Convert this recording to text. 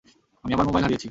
আমি আমার মোবাইল হারিয়েছি।